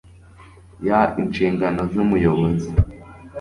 ya Inshingano z Umuyobozi